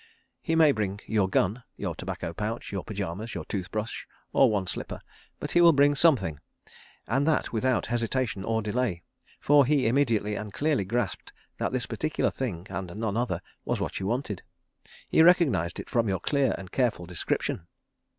..." He may bring your gun, your tobacco pouch, your pyjamas, your toothbrush, or one slipper, but he will bring something, and that without hesitation or delay, for he immediately and clearly grasped that that particular thing, and none other, was what you wanted. He recognised it from your clear and careful description.